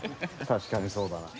確かにそうだな。